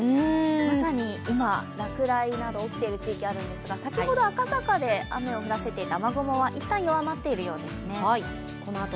まさに今、落雷など起きている地域あるんですが先ほど赤坂で雨を降らせていた雨雲は一旦弱まっているようですね。